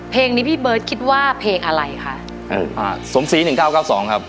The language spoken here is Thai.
เพลงนี้พี่เบิร์ตคิดว่าเพลงอะไรคะเอออ่าสมศรีหนึ่งเก้าเก้าสองครับ